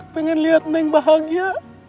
pengen lihat neng bahagia